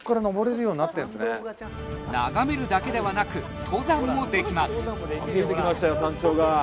はい眺めるだけではなく登山もできます